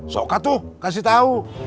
sokak tuh kasih tau